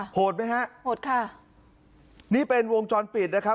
โหดไหมฮะโหดค่ะนี่เป็นวงจรปิดนะครับ